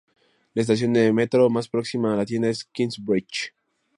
La estación de metro más próxima a la tienda es Knightsbridge.